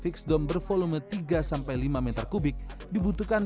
itu kira kira habis hampir seratus ribu ya bu setiap bulan